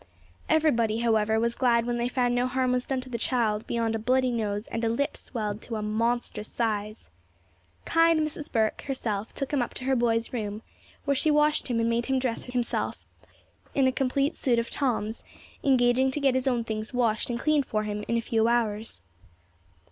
Everybody, however, was glad when they found no harm was done to the child, beyond a bloody nose and a lip swelled to a monstrous size. Kind Mrs. Burke herself took him up to her boys' room, where she washed him and made him dress himself in a complete suit of Tom's, engaging to get his own things washed and cleaned for him in a few hours.